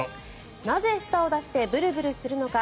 なぜ舌を出してブルブルするのか。